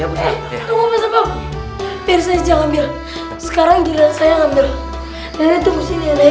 ya tunggu pak setan biar saya ambil sekarang diri saya ambil nanti tunggu sini ya nek